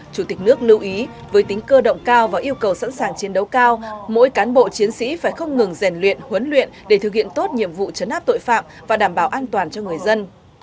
chủ tịch nước lưu ý với tính cơ động cao và yêu cầu sẵn sàng chiến đấu cao mỗi cán bộ chiến sĩ phải không ngừng rèn luyện huấn luyện để thực hiện tốt nhiệm vụ chấn áp tội phạm và đảm bảo an toàn cho người dân